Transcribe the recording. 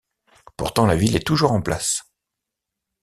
Pourtant la ville est toujours en place.